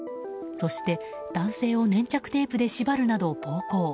そして男性を粘着テープで縛るなど暴行。